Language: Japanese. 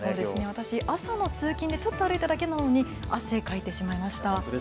私朝の通勤でちょっと歩いただけなのに汗をかいてしまいました。